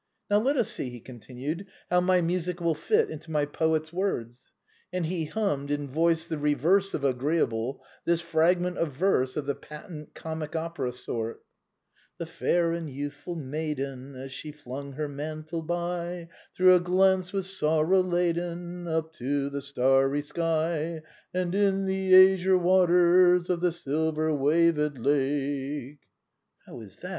" Now let us see," he continued, " how my music will fit into my poet's words ;" and he hummed, in a voice the reverse of agreeable, this fragment of verse of the patent comic opera sort: " The fair and youthful maiden, As she flung her mantle by, Threw a glance of sorrow laden Up to the starry sky And in the azure waters Of the silver waved lake —" How is that